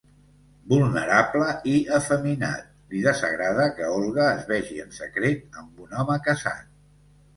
Vulnerable i efeminat, li desagrada que Olga es vegi en secret amb un home casat.